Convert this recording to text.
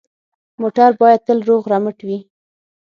موټر باید تل روغ رمټ وي.